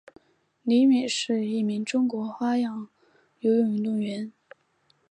李敏是一名中国女子花样游泳运动员。